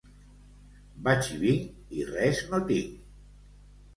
Vaig i vinc i res no tinc.